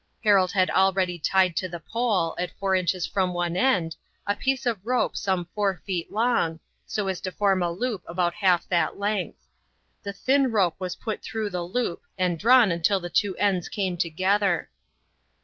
Harold had already tied to the pole, at four inches from one end, a piece of rope some four feet long, so as to form a loop about half that length. The thin rope was put through the loop and drawn until the two ends came together.